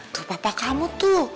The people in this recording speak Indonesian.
tuh papa kamu tuh